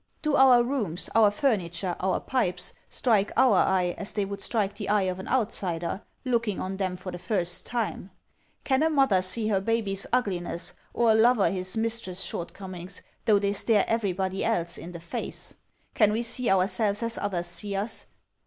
Do our rooms, our furniture, our pipes strike our eye as they would strike the eye of an outsider, looking on them for the first time? Can a mother see her baby's ugliness, or a lover his mistress' shortcomings, though they stare everybody else in the face? Can we see ourselves as others see us?